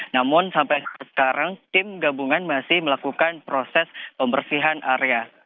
namun sampai sekarang tim gabungan masih melakukan proses pembersihan area